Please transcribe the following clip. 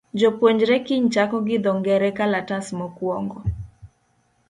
Jopuonjre kiny chako gi dho ngere kalatas mokwongo.